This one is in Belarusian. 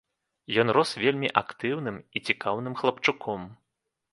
Ён рос вельмі актыўным і цікаўным хлапчуком.